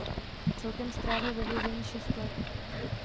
Celkem strávil ve vězení šest let.